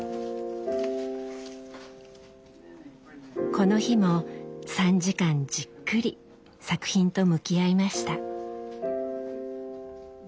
この日も３時間じっくり作品と向き合いました。